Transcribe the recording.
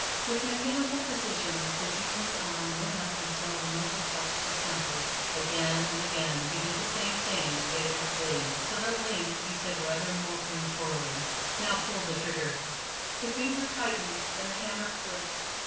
With mechanical precision the Jew's arm went up until the muzzle touched his temple. Again and again he did the same thing at Phadrig's bidding, till at length he said rather more peremptorily: "Now pull the trigger!" The finger tightened and the hammer clicked.